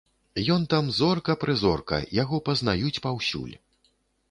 Ён там зорка-прызорка, яго пазнаюць паўсюль.